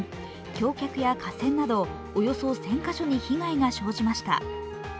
橋脚や架線などおよそ１０００カ所に被害が生じました。